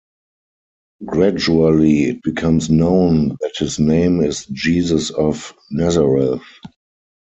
Gradually, it becomes known that his name is Jesus of Nazareth.